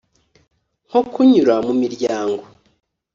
nko kunyura mu miryango,